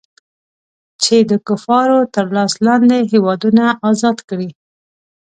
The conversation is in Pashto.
چې د کفارو تر لاس لاندې هېوادونه ازاد کړي.